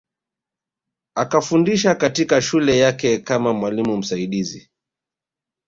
Akafundisha katika shule yake kama mwalimu msaidizi